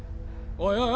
おいおい